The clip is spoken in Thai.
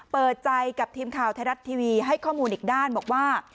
เปิดใจกับทีมข่าวไทยรัฐทีวีให้ข้อมูลอีกด้านบอกว่า